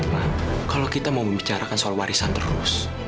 nah kalau kita mau membicarakan soal warisan terus